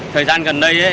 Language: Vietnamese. thời gian gần đây